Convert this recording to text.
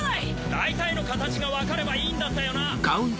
大体の形が分かればいいんだったよな？